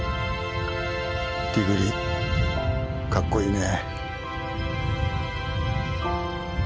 ティグリかっこいいね。